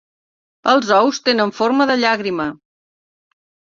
Els ous tenen forma de llàgrima.